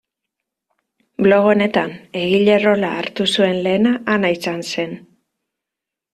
Blog honetan egile rola hartu zuen lehena Ana izan zen.